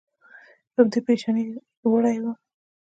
په همدې کې پرېشانۍ وړی یم.